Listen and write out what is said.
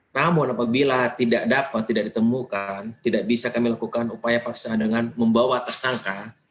namun apabila tidak dapat tidak ditemukan tidak bisa kami lakukan upaya paksa dengan membawa tersangka